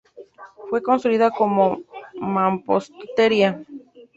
Fue construida con mampostería.